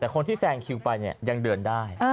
แต่คนที่แซงคิวไปเนี่ยยังเดินได้